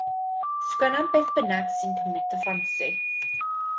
Sgwenna am beth bynnag sy'n cymryd dy ffansi.